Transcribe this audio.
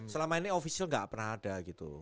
selama ini ofisial nggak pernah ada gitu